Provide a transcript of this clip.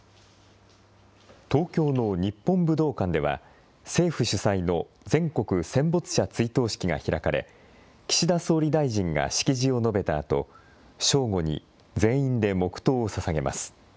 東京の日本武道館では、政府主催の全国戦没者追悼式が開かれ、岸田総理大臣が式辞を述べたあと、正午に全員で黙とうをささげます。